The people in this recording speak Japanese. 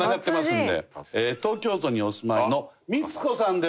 東京都にお住まいのみつこさんです。